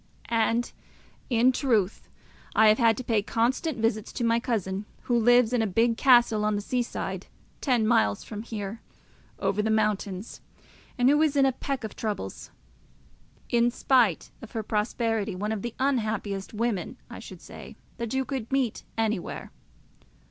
And, in truth, I have had to pay constant visits to my cousin, who lives in a big castle on the sea side, ten miles from here, over the mountains, and who is in a peck of troubles; in spite of her prosperity one of the unhappiest women, I should say, that you could meet anywhere.